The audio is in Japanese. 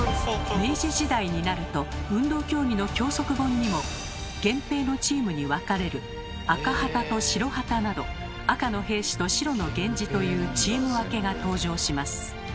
明治時代になると運動競技の教則本にも「源平のチームにわかれる」「赤旗と白旗」など赤の平氏と白の源氏というチームわけが登場します。